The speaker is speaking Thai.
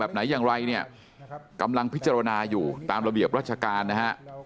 ไหนอย่างไรเนี่ยกำลังพิจารณาอยู่ตามระเบียบราชการนะฮะ